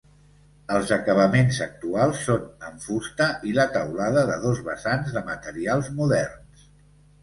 Els acabaments actuals són en fusta i la teulada de dos vessants de materials moderns.